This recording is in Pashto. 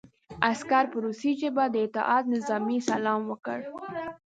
عسکر په روسي ژبه د اطاعت نظامي سلام وکړ